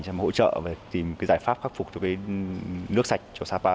để hỗ trợ và tìm giải pháp khắc phục nước sạch cho sapa